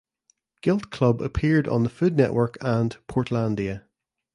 Gilt Club appeared on the Food Network and "Portlandia".